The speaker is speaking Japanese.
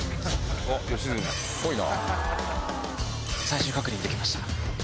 最終確認できました。